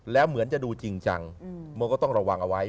แล้วเหมือนจะดูจริงจังมันก็ต้องระวังเอาไว้